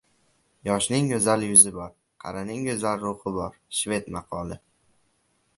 Yoshning go‘zal yuzi bor, qarining go‘zal ruhi bor. Shved maqoli